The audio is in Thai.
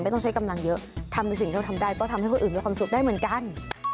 ต้องใช้กำลังเยอะทำในสิ่งที่เราทำได้ก็ทำให้คนอื่นมีความสุขได้เหมือนกัน